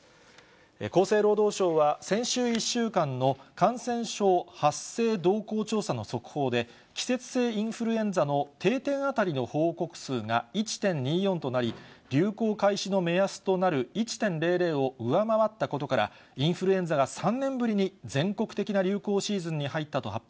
厚生労働省は、先週１週間の感染症発生動向調査の速報で、季節性インフルエンザの定点当たりの報告数が１．２４となり、流行開始の目安となる１．００を上回ったことから、インフルエンザが３年ぶりに全国的な流行シーズンに入ったと発表